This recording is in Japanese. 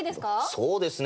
そうですね。